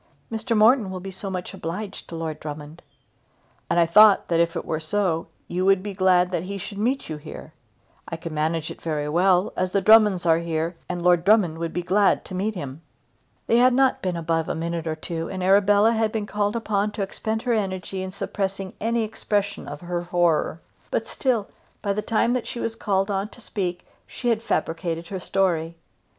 "Mr. Morton will be so much obliged to Lord Drummond." "And I thought that if it were so, you would be glad that he should meet you here. I could manage it very well, as the Drummonds are here, and Lord Drummond would be glad to meet him." They had not been above a minute or two together, and Arabella had been called upon to expend her energy in suppressing any expression of her horror; but still, by the time that she was called on to speak, she had fabricated her story.